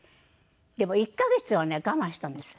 でも１カ月はね我慢したんです。